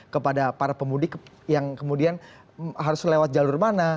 kepada para pemudik yang kemudian harus lewat jalur mana